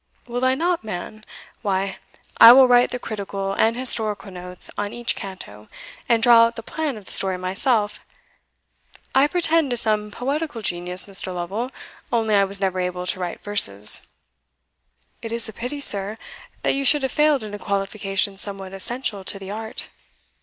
"Will I not, man? why, I will write the critical and historical notes on each canto, and draw out the plan of the story myself. I pretend to some poetical genius, Mr. Lovel, only I was never able to write verses." "It is a pity, sir, that you should have failed in a qualification somewhat essential to the art."